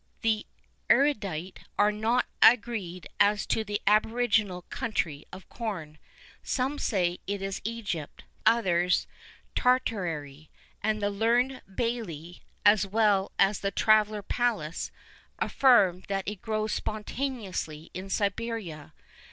[II 40] The erudite are not agreed as to the aboriginal country of corn: some say it is Egypt, others Tartary, and the learned Bailly, as well as the traveller Pallas, affirm that it grows spontaneously in Siberia.